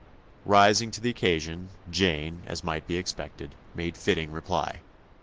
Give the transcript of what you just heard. Rising to the occasion, Jane, as might be expected, made fitting reply.